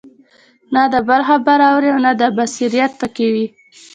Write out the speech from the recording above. نه د بل خبره اوري او نه دا بصيرت په كي وي